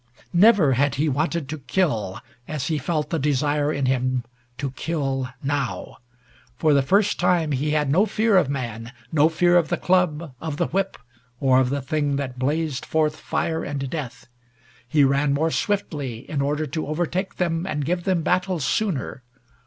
Never had he wanted to kill as he felt the desire in him to kill now. For the first time he had no fear of man, no fear of the club, of the whip, or of the thing that blazed forth fire and death. He ran more swiftly, in order to overtake them and give them battle sooner.